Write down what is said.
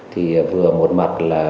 thì vừa một mặt là